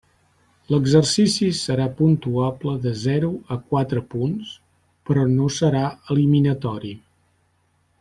L'exercici serà puntuable de zero a quatre punts, però no serà eliminatori.